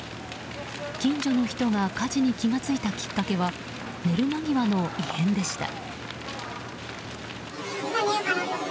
近所の人が火事に気が付いたきっかけは寝る間際の異変でした。